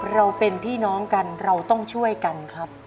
เราเป็นพี่น้องกันเราต้องช่วยกันครับ